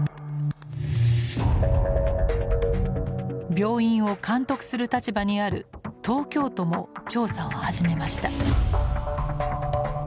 病院を監督する立場にある東京都も調査を始めました。